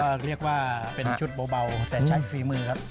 ก็เรียกว่าเป็นชุดเบาแต่ใช้ฝีมือครับ